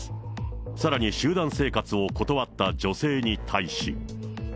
さらに、集団生活を断った女性に対し。